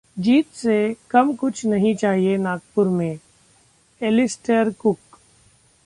जीत से कम कुछ नहीं चाहिए नागपुर में: एलिस्टेयर कुक